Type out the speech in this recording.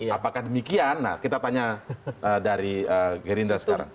apakah demikian nah kita tanya dari gerindra sekarang